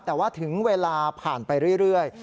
แต่ว่าถึงเวลาผ่านไปเรื่อย